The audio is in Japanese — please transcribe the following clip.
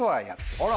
あら！